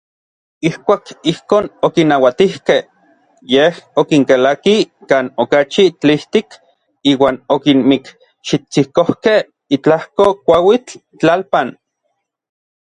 Ijkuak ijkon okinauatijkej, yej okinkalakij kan okachi tlijtik iuan okinmikxitsikojkej itlajko kuauitl tlalpan.